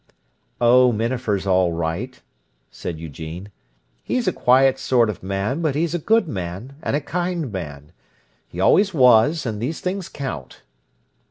"Oh, Minafer's all right," said Eugene. "He's a quiet sort of man, but he's a good man and a kind man. He always was, and those things count."